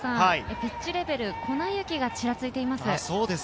ピッチレベル、粉雪がちらついています。